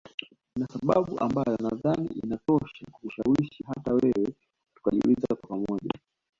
Nina sababu ambayo nadhani inatosha kukushawishi hata wewe tukajiuliza kwa pamoja